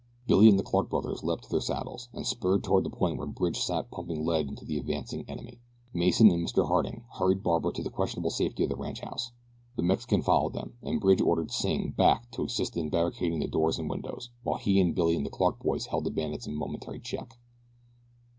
Billy and the Clark brothers leaped to their saddles and spurred toward the point where Bridge sat pumping lead into the advancing enemy. Mason and Mr. Harding hurried Barbara to the questionable safety of the ranchhouse. The Mexican followed them, and Bridge ordered Sing back to assist in barricading the doors and windows, while he and Billy and the Clark boys held the bandits in momentary check.